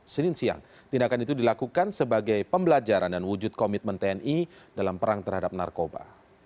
senin siang tindakan itu dilakukan sebagai pembelajaran dan wujud komitmen tni dalam perang terhadap narkoba